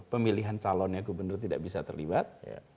pemilihan calonnya gubernur tidak bisa terlibat